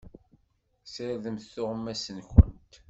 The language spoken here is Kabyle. Sirdemt tuɣmas-nkent!